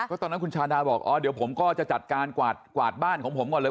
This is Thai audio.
ตอนนั้นคุณชาดาบอกอ๋อเดี๋ยวผมก็จะจัดการกวาดบ้านของผมก่อนเลย